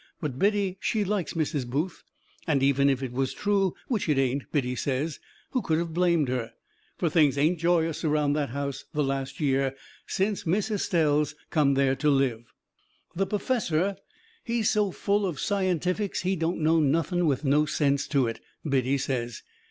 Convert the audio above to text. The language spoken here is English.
But Biddy, she likes Mrs. Booth, and even if it was true, which it ain't Biddy says, who could of blamed her? Fur things ain't joyous around that house the last year, since Miss Estelle's come there to live. The perfessor, he's so full of scientifics he don't know nothing with no sense to it, Biddy says.